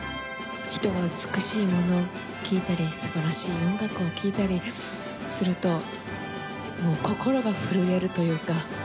人は美しいものを聴いたり素晴らしい音楽を聴いたりするともう心が震えるというか。